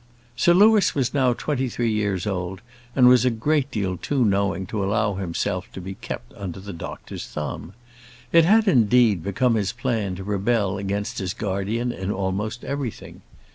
Sir Louis was now twenty three years old, and was a great deal too knowing to allow himself to be kept under the doctor's thumb. It had, indeed, become his plan to rebel against his guardian in almost everything.